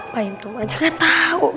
fahim tum aja gak tau